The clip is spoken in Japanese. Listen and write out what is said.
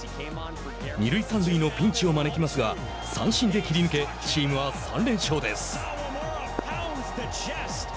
二塁三塁のピンチを招きますが三振で切り抜けチームは３連勝です。